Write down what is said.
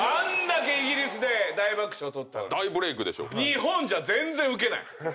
日本じゃ全然ウケない。